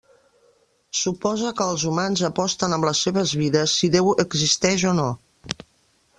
Suposa que els humans aposten amb les seves vides si Déu existeix o no.